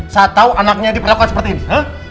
saat tahu anaknya diperlakukan seperti ini huh